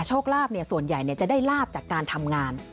โชคลาภส่วนใหญ่จะได้ลาบจากการทำงาน